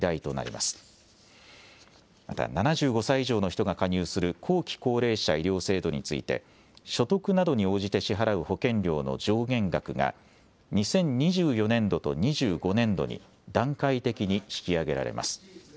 また、７５歳以上の人が加入する後期高齢者医療制度について、所得などに応じて支払う保険料の上限額が、２０２４年度と２０２５年度に段階的に引き上げられます。